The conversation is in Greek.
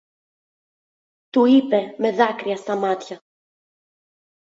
του είπε με δάκρυα στα μάτια.